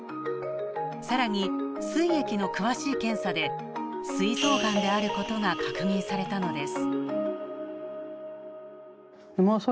更にすい液の詳しい検査ですい臓がんであることが確認されたのです。